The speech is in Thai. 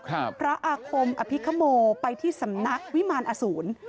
พระอาคมอภิคโมไปที่สำนักวิมารอสูร